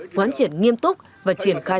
hoán triển nghiêm túc và triển khai